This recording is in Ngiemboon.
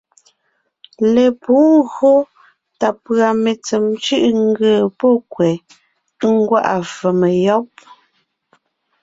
Lepǔ ńgÿo tà pʉ̀a mentsèm cʉ̀ʼʉ ńgee pɔ́ kwɛ̀ ńgwá’a fòmo yɔ́b.